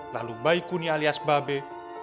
lalu baikuni alias babe